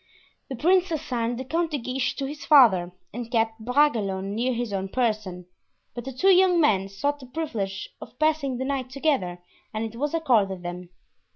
The prince assigned the Count de Guiche to his father and kept Bragelonne near his own person; but the two young men sought the privilege of passing the night together and it was accorded them.